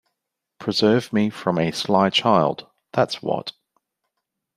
Preserve me from a sly child, that’s what.